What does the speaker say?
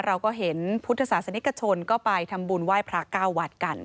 เราก็เห็นพุทธศาสนิกชนก็ไปทำบุญไหว้พระเก้าวัดกัน